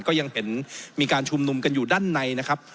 ก็ยังเห็นมีการชุมนุมกันอยู่ด้านในนะครับ